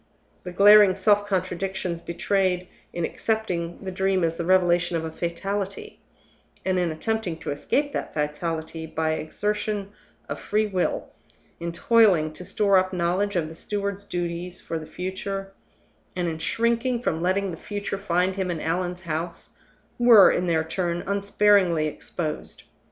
The glaring self contradictions betrayed in accepting the Dream as the revelation of a fatality, and in attempting to escape that fatality by an exertion of free will in toiling to store up knowledge of the steward's duties for the future, and in shrinking from letting the future find him in Allan's house were, in their turn, unsparingly exposed.